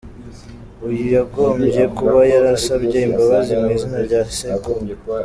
Uyu yagombye kuba yarasabye imbabazi mwizina rya sekuru.